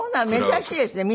珍しいですね。